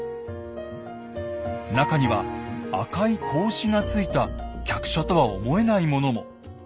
中には赤い格子がついた客車とは思えないものも。